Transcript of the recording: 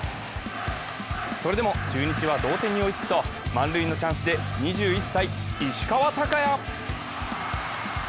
それでも中日は同点に追いつくと満塁のチャンスで２１歳・石川昂弥。